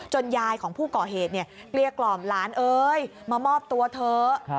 ยายของผู้ก่อเหตุเนี่ยเกลี้ยกล่อมหลานเอ้ยมามอบตัวเถอะ